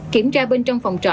kiểm tra bên trong phòng trọ